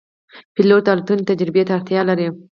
پیلوټ د الوتنې تجربې ته اړتیا لري.